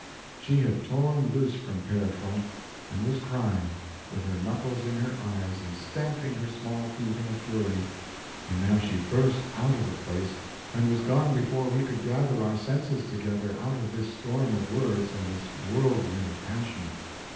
She had torn loose from Pere Fronte, and was crying, with her knuckles in her eyes, and stamping her small feet in a fury; and now she burst out of the place and was gone before we could gather our senses together out of this storm of words and this whirlwind of passion.